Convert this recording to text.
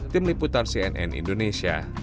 tim liputan cnn indonesia